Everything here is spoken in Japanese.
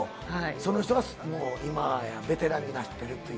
その人がもう、今やベテランになってるという。